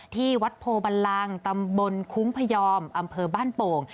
ที่วัดโพบันลังตำบลคุ้งพยอมอำเภอบ้านโป่ง